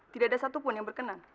tidak ada satupun yang berkenan